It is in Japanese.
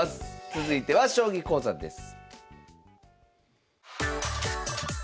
続いては将棋講座です。